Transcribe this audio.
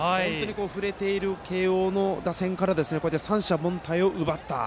振れている慶応の打線から三者凡退を奪った。